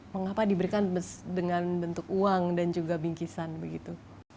mengapa diberikan dengan bentuk uang dan juga bingkisan begitu